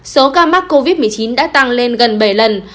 số ca mắc covid một mươi chín đã tăng lên gần bảy lần